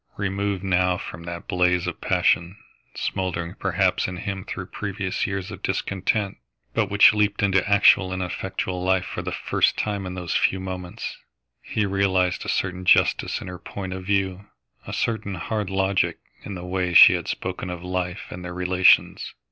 Removed now from that blaze of passion, smouldering perhaps in him through previous years of discontent, but which leaped into actual and effective life for the first time in those few moments, he realised a certain justice in her point of view, a certain hard logic in the way she had spoken of life and their relations.